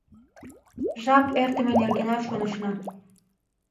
Жап эртыме нергенат шонышна.